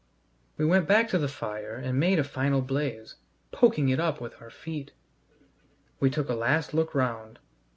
We went back to the fire and made a final blaze, poking it up with our feet. We took a last look round.